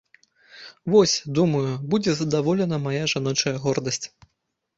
Вось, думаю, будзе задаволена мая жаночая гордасць.